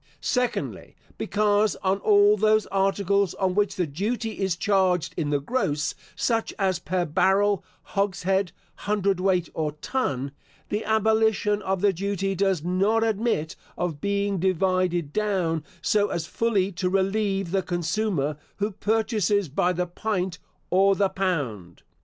Secondly. Because, on all those articles on which the duty is charged in the gross, such as per barrel, hogshead, hundred weight, or ton, the abolition of the duty does not admit of being divided down so as fully to relieve the consumer, who purchases by the pint, or the pound.